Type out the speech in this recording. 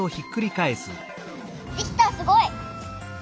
できたすごい！